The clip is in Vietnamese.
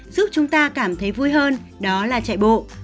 giúp chúng ta cảm thấy vui hơn đó là chạy bộ